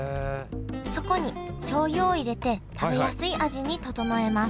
そこにしょうゆを入れて食べやすい味に調えます